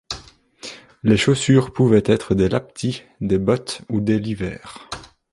Les chaussures pouvaient être des laptis, des bottes ou des l'hiver.